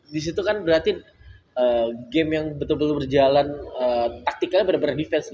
disitu kan berarti game yang betul betul berjalan taktikalnya bener bener defense